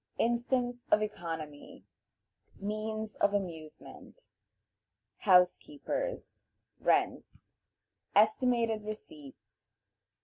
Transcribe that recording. Instance of Economy. Means of Amusement. House keepers. Rents. Estimated Receipts.